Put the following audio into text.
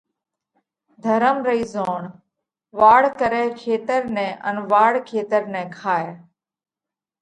ڌرم رئِي زوڻ ”واڙ ڪرئہ کيتر نئہ ان واڙ کيتر نئہ کائہ۔“: